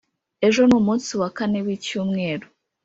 Ejo numunsi wa kane wicyumweru